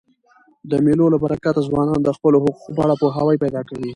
د مېلو له برکته ځوانان د خپلو حقوقو په اړه پوهاوی پیدا کوي.